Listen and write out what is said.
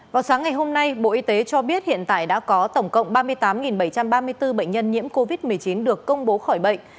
vào sáng ngày hôm nay bộ y tế cho biết hiện tại đã có tổng cộng ba mươi tám bảy trăm ba mươi bốn bệnh nhân nhiễm covid một mươi chín được công bố khỏi bệnh